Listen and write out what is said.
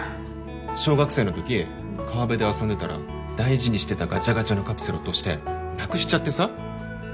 小学生の時川辺で遊んでたら大事にしてたガチャガチャのカプセル落としてなくしちゃってさ。